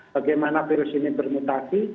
bagaimana virus ini bermutasi